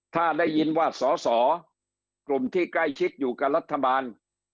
ถ้าได้ยินว่าสอสอกลุ่มที่ใกล้ชิดอยู่กับรัฐบาล